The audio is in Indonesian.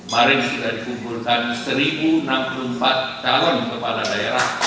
mari sudah dikumpulkan seribu enam puluh empat calon kepala daerah